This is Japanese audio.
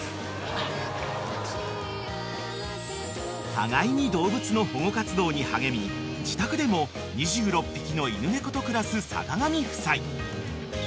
［互いに動物の保護活動に励み自宅でも２６匹の犬猫と暮らす坂上夫妻］